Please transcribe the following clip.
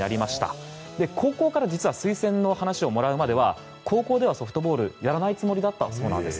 実は高校から推薦の話をもらうまでは高校ではソフトボールをやらないつもりだったそうです。